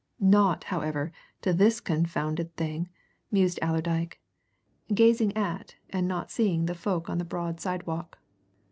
"Naught, however, to this confounded thing!" mused Allerdyke, gazing at and not seeing the folk on the broad sidewalk.